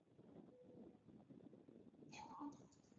闽太祖王审知亦用此年号。